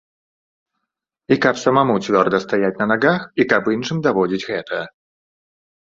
І каб самому цвёрда стаяць на нагах, і каб іншым даводзіць гэта.